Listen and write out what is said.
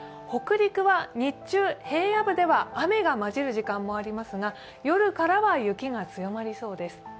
北陸は日中、平野部では雨が混じる時間もありますが夜からは雪が強まりそうです。